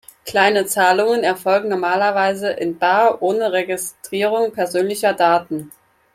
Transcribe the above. Kleine Zahlungen erfolgen normalerweise in bar ohne Registrierung persönlicher Daten.